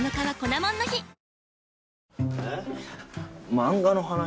漫画の話？